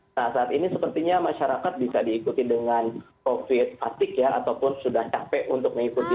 nah saat ini sepertinya masyarakat bisa diikuti dengan covid atik ya ataupun sudah capek untuk mengikuti